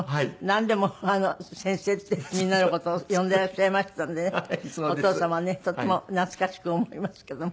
なんでも「先生」ってみんなの事を呼んでいらっしゃいましたんでねお父様ねとっても懐かしく思いますけども。